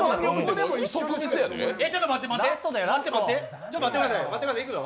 ちょっと待って待っていくぞ。